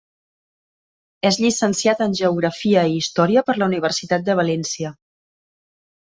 És llicenciat en Geografia i Història per la Universitat de València.